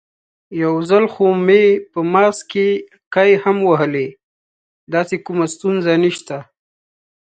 یو ځل خو مې په ماسک کې قی هم وهلی، داسې کومه ستونزه نشته.